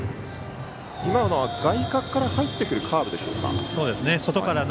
今のは外角から入ってくるカーブでしょうか。